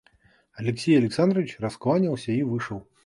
Алексей Александрович раскланялся и вышел.